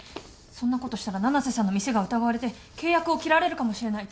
そんなことしたら七瀬さんの店が疑われて契約を切られるかもしれない。